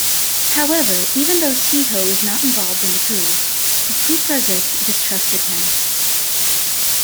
However, even though Siho was not involved in the coup, Kouprasith distrusted him.